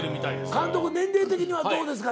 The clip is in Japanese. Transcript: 監督年齢的にはどうですか？